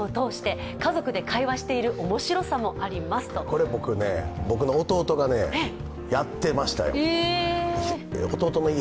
これ僕ね、僕の弟がねやってましたよ。